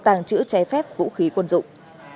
tàng trữ chế phép vũ khí quân dụng